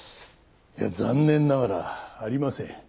いや残念ながらありません。